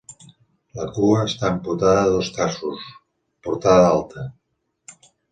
La cua està amputada a dos terços, portada alta.